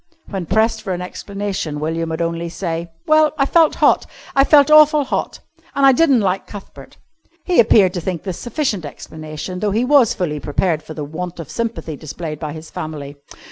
When pressed for an explanation William would only say: "Well, I felt hot. I felt awful hot, an' I di'n't like Cuthbert." He appeared to think this sufficient explanation, though he was fully prepared for the want of sympathy displayed by his family.